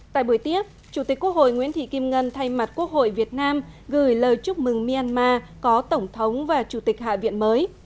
tại buổi tiếp chủ tịch quốc hội nguyễn thị kim ngân thay mặt quốc hội việt nam gửi lời chúc mừng myanmar có tổng thống và chủ tịch hạ viện mới